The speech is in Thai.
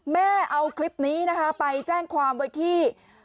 แม่เอาคลิปนี้ไปแจ้งความว่าที่